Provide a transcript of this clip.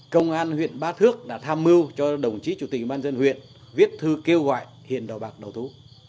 công an huyện ba thước đã tham mưu cho đồng chí chủ tình ban dân huyện viết thư kêu gọi hiền đò bạc đầu thú